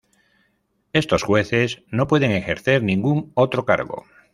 Estos jueces no pueden ejercer ningún otro cargo.